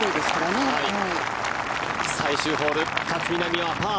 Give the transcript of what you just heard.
最終ホール、勝みなみはパー。